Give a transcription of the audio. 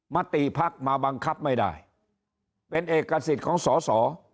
มติภักดิ์มาบังคับไม่ได้เป็นเอกสิทธิ์ของสอสอ